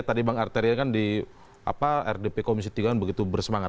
tadi bang arteria kan di rdp komisi tiga begitu bersemangat